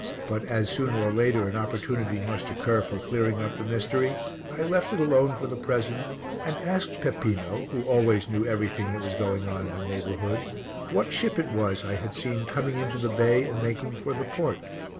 But as, sooner or later, an opportunity must occur for clearing up the mystery, I left it alone for the present and asked Peppino, who always knew everything that was going on in the neighbourhood, what ship it was I had seen coming into the bay and making for the port.